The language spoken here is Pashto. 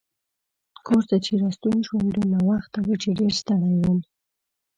کور ته چې راستون شوم ډېر ناوخته و چې ډېر ستړی وم.